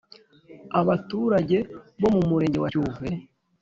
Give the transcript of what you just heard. Abaturage bo mu Murenge wa Cyuve